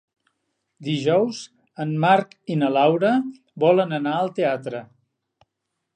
Dijous en Marc i na Laura volen anar al teatre.